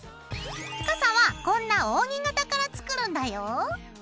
傘はこんな扇形から作るんだよ。